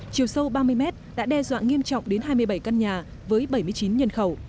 chiều sâu ba mươi mét đã đe dọa nghiêm trọng đến hai mươi bảy căn nhà với bảy mươi chín nhân khẩu